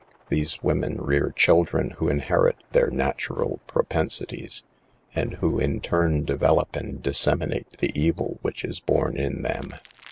These women rear children who inherit their natural propensities, and who, in turn, develop and disseminate the evil which is born in them.